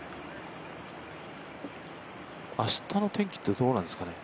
明日の天気ってどうなんですかね？